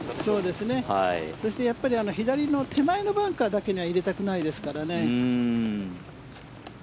そしてやっぱり左の手前のバンカーだけには入れたくないですからね。